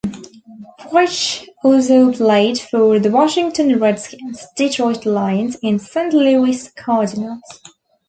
Wyche also played for the Washington Redskins, Detroit Lions, and Saint Louis Cardinals.